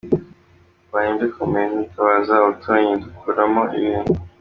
Mbonye bikomeye nitabaza abaturanyi dukuramo ibintu.